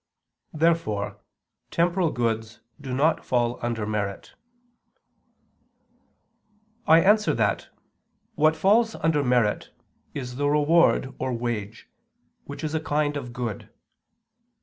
Therefore temporal goods do not fall under merit. I answer that, What falls under merit is the reward or wage, which is a kind of good.